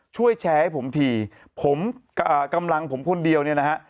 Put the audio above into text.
ช่วยแชร์ให้ผมถี่กำลังผมคนเดียวนะฮะ